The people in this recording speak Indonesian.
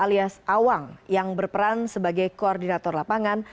alias awang yang berperan sebagai koordinator lapangan